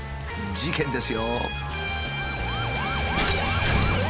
事件です。